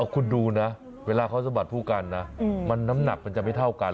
คุณดูนะเวลาข้อสมบัติผู้การนะมันน้ำหนักมันจะไม่เท่ากัน